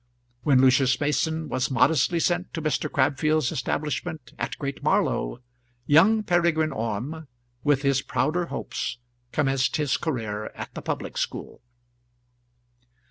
When Lucius Mason was modestly sent to Mr. Crabfield's establishment at Great Marlow, young Peregrine Orme, with his prouder hopes, commenced his career at the public school.